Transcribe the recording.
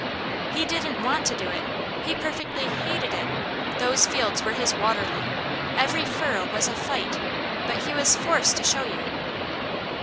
"He didn't WANT to do it. He perfectly HATED it. Those fields were his Waterloo. Every furrow was a FIGHT, but he was FORCED to show you."